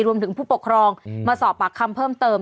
ผู้ปกครองมาสอบปากคำเพิ่มเติม